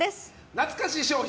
懐かし商品！